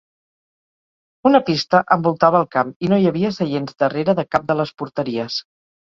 Una pista envoltava el camp i no hi havia seients darrere de cap de les porteries.